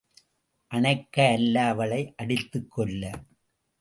அணைக்க அல்ல அவளை அடித்துக் கொல்ல.